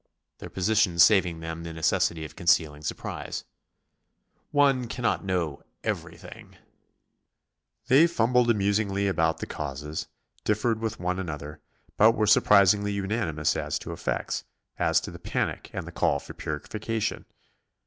their positions saving them the necessity of concealing surprise. "One can't know everything." They fumbled amusingly about the causes, differed with one another, but were surprisingly unanimous as to effects, as to the panic and the call for purification.